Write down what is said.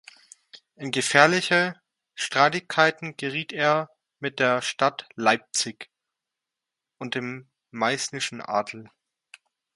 In gefährliche Streitigkeiten geriet er mit der Stadt Leipzig und dem meißnischen Adel.